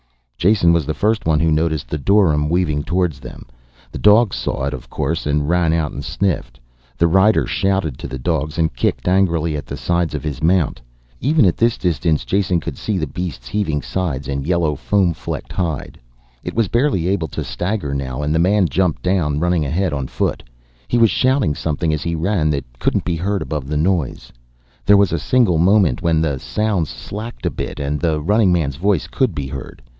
Jason was the first one who noticed the dorym weaving towards them. The dogs saw it, of course, and ran out and sniffed. The rider shouted to the dogs and kicked angrily at the sides of his mount. Even at this distance Jason could see the beast's heaving sides and yellow foam flecked hide. It was barely able to stagger now and the man jumped down, running ahead on foot. He was shouting something as he ran that couldn't be heard above the noise. There was a single moment when the sounds slacked a bit and the running man's voice could be heard.